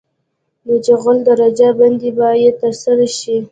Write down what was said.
د جغل درجه بندي باید ترسره شي